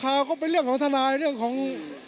ก็เป็นเรื่องของทนายเรื่องของ